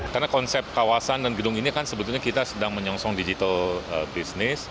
karena konsep kawasan dan gedung ini kan sebetulnya kita sedang menyongsong digital business